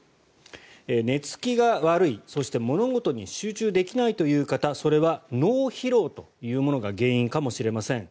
寝付きが悪いそして物事に集中できないという方それは脳疲労というものが原因かもしれません。